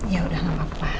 ya udah gak apa apa